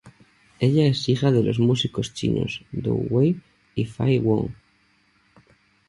Ella es hija de los músicos chinos Dou Wei y Faye Wong.